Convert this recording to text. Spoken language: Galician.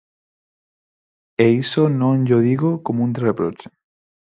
E iso non llo digo como un reproche.